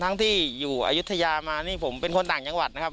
ทั้งที่อยู่อายุทยามานี่ผมเป็นคนต่างจังหวัดนะครับ